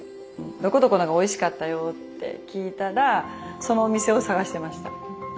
どこどこのがおいしかったよって聞いたらそのお店を探してました。